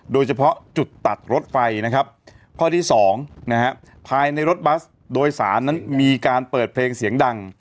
โดยเฉพาะจุดตัดรถไฟนะครับข้อที่๒นะฮะภายในรถบัสโดยสารนั้นมีการเปิดเพลงเสียงดัง